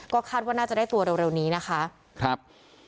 ก็คาดว่าน่าจะได้ตัวเร็วนี้นะคะครับ